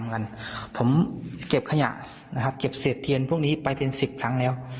เหมือนกันผมเก็บขยะนะครับเก็บเศษเทียนพวกนี้ไปเป็น๑๐ครั้งแล้ว